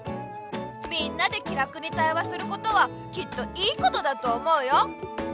みんなで気楽に対話することはきっと「良いこと」だと思うよ。